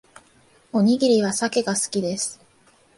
おにぎりはサケが好きです